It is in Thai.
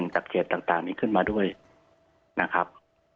จากเขตต่างนี้ขึ้นมาด้วยนะครับ